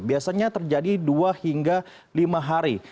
biasanya terjadi dua hingga lima hari